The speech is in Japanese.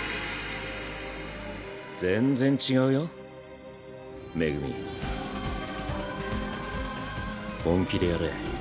全然違うよ恵本気でやれ。